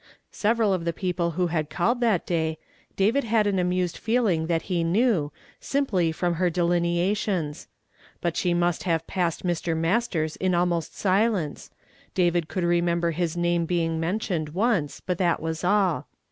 Severaf of the i.eople who had called that day, David had an amused feehng that he knew, simj.ly from her delinea tions. Rut she must have passed Mr. ]\Iastei s in almost silence ; David could remember his name be ing mentioned once, but that was all.